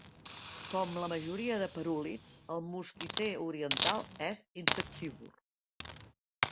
Com la majoria de parúlids, el mosquiter oriental es insectívor.